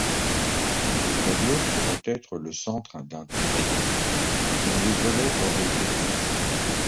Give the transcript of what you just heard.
Le tableau pourrait être le centre d'un triptyque dont les volets auraient été perdus.